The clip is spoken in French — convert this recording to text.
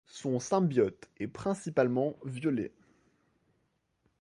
Son symbiote est principalement violet.